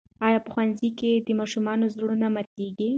آیا په ښوونځي کې د ماشومانو زړونه ماتېږي؟